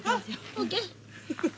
ＯＫ。